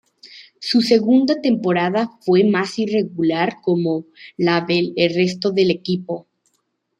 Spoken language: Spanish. Su segunda temporada fue más irregular, como la del resto del equipo.